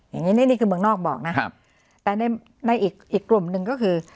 อย่างนี้นี่นี่คือเมืองนอกบอกนะครับแต่ในในอีกอีกกลุ่มหนึ่งก็คือ